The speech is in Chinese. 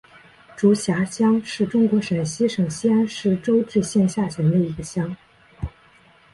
竹峪乡是中国陕西省西安市周至县下辖的一个乡。